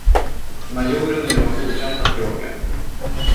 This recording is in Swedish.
Majoren och jag fortsatte att grogga.